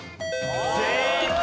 正解！